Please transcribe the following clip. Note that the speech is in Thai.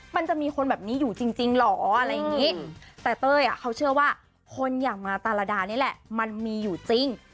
มันจะมีคนแบบนี้อยู่จริงเหรออะไรอย่างนี้แต่เต้ยเขาเชื่อว่าคนอย่างมาตาระดานี่แหละมันมีอยู่จริง